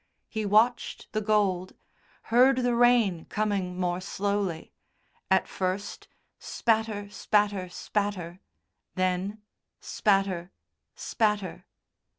He watched the gold, heard the rain coming more slowly; at first, "spatter spatter spatter," then, "spatter spatter."